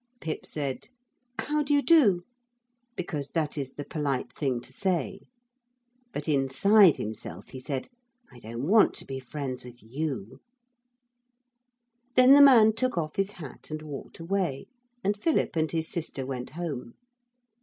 Pip said, 'How do you do?' because that is the polite thing to say. But inside himself he said, 'I don't want to be friends with you.' Then the man took off his hat and walked away, and Philip and his sister went home.